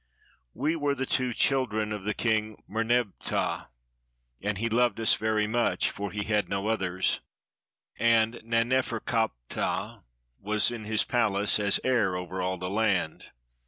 ] We were the two children of the King Memebptah, and he loved us very much, for he had no others; and Nane ferkaptah was in his palace as heir over all the land.